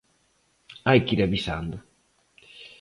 Hai que ir avisando.